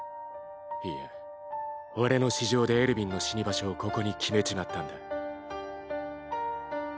俺の私情でエルヴィンの死に場所をここに決めちまったんだ。